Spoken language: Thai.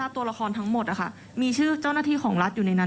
ตัวละครทั้งหมดมีชื่อเจ้าหน้าที่ของรัฐอยู่ในนั้น